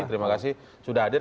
terima kasih sudah hadir